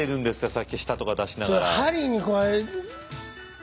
さっき舌とか出しながら。